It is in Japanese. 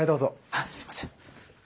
あっすいません。